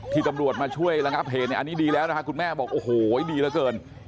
ที่ตำรวจมาช่วยระงับเหตุอันนี้ดีแล้วนะฮะคุณแม่บอกโอ้โหดีเหลือเกิน